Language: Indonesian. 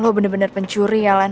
lo bener bener pencuri ya lan